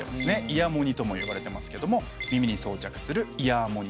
イヤモニとも呼ばれてますけども耳に装着するイヤーモニター。